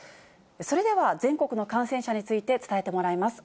それでは、全国の感染者について伝えてもらいます。